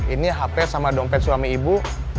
ini hp sama dompet suami ibu